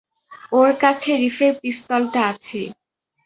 ওর কাছে রিফের পিস্তলটা আছে।